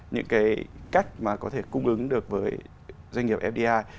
những cái cách mà có thể cung ứng được với doanh nghiệp fdi